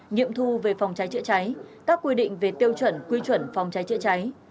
nhiệm thu về phòng trái chữa trái các quy định về tiêu chuẩn quy chuẩn phòng trái chữa trái